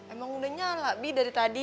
emang udah nyala bi dari tadi